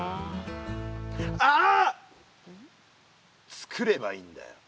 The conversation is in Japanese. つくればいいんだよ。